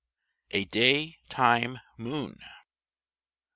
85 A DAY TIME MOON.